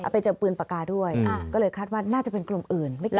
ไปเจอปืนปากกาด้วยก็เลยคาดว่าน่าจะเป็นกลุ่มอื่นไม่เกี่ยวกัน